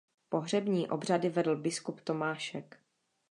Pohřební obřady vedl biskup Tomášek.